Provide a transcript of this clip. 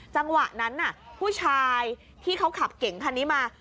จังหวะนั้นผู้ชายที่เขาขับเก่งคันนี้มา